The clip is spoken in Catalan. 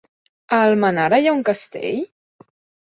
A Almenara hi ha un castell?